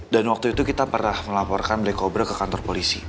dan waktu itu kita pernah melaporkan black cobra ke kantor polisi